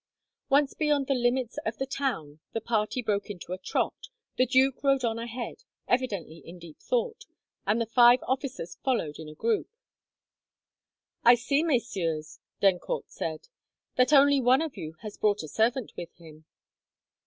Once beyond the limits of the town, the party broke into a trot. The duke rode on ahead, evidently in deep thought, and the five officers followed in a group. "I see, messieurs," d'Eyncourt said, "that only one of you has brought a servant with him."